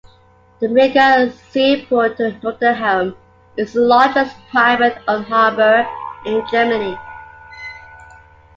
The Midgard-seaport in Nordenham is the largest private-owned harbor in Germany.